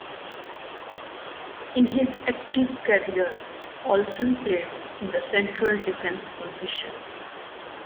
In his active career, Olsen played in the central defense position.